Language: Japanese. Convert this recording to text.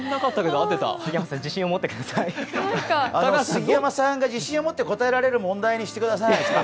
杉山さんが自信を持って答えられる問題にしてください。